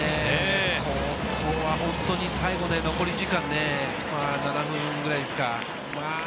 ここは本当に最後、残り時間７分ぐらいですか。